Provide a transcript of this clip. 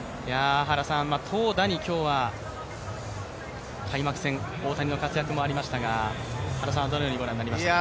投打に今日は開幕戦、大谷の活躍もありましたが、原さんはどのようにご覧になりましたか？